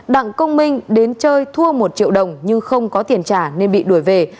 đặng công minh đến chơi thua một triệu đồng nhưng không có tiền trả nên bị đuổi về